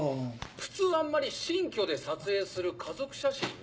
普通あんまり新居で撮影する家族写真に。